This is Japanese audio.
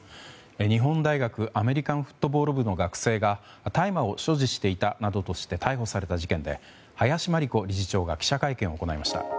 日本大学アメリカンフットボール部の学生が大麻を所持していたなどとして逮捕された事件で林真理子理事長が記者会見を行いました。